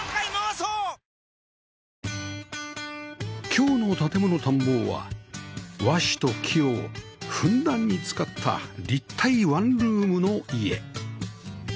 今日の『建もの探訪』は和紙と木をふんだんに使った立体ワンルームの家